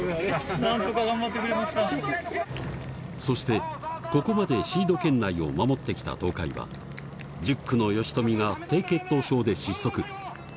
そしてここまでシード圏内を守って来た東海は１０区の吉冨が低血糖症で失速